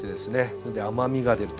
それで甘みが出ると。